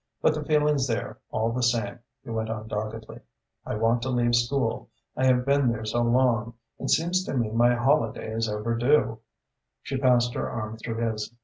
"But the feeling's there, all the same," he went on doggedly. "I want to leave school. I have been there so long. It seems to me my holiday is overdue." She passed her arm through his.